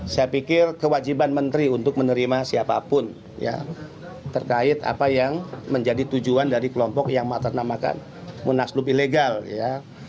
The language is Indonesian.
saya pikir kewajiban menteri untuk menerima siapapun ya terkait apa yang menjadi tujuan dari kelompok yang matarnamakan munaslup ilegal ya